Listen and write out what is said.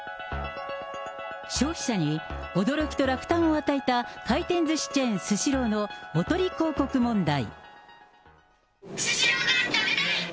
消費者に驚きと落胆を与えた回転ずしチェーン、スシローのおとり広告問題。